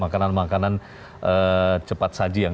makanan makanan cepat saji yang